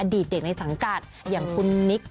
ดีตเด็กในสังกัดอย่างคุณนิก